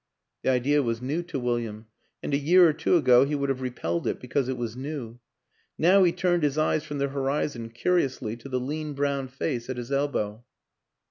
The idea was new to William, and a year or two ago he would have repelled it because it was new ; now he turned his eyes from the horizon, curi ously, to the lean brown face at his elbow.